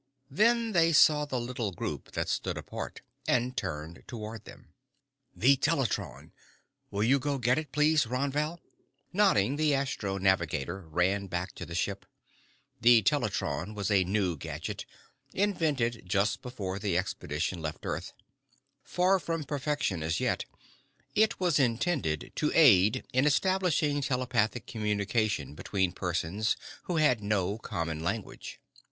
Then they saw the little group that stood apart and turned toward them. "The teletron. Will you go get it, please, Ron Val?" Nodding, the astro navigator ran back to the ship. The teletron was a new gadget, invented just before the expedition left earth. Far from perfection as yet, it was intended to aid in establishing telepathic communication between persons who had no common language.